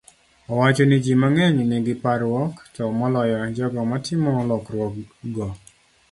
Owacho ni ji mang'eny nigi parruok, to moloyo jogo matimo lokruokgo.